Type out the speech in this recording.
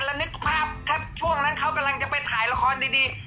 แล้วนึกภาพถ้าช่วงนั้นเขากำลังจะไปถ่ายละครดี